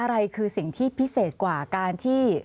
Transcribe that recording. อะไรคือสิ่งที่พิเศษกว่าการที่